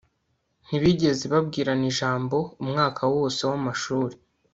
ntibigeze babwirana ijambo umwaka wose w'amashuri